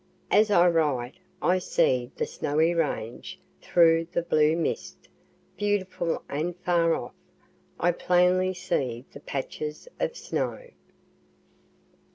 As I write I see the Snowy Range through the blue mist, beautiful and far off, I plainly see the patches of snow.